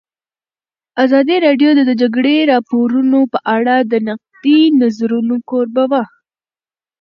ازادي راډیو د د جګړې راپورونه په اړه د نقدي نظرونو کوربه وه.